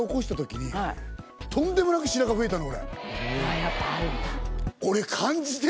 あやっぱあるんだ。